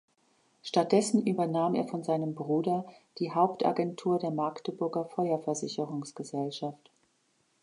Stattdessen übernahm er von seinem Bruder die Haupt Agentur der Magdeburger Feuer Versicherungsgesellschaft.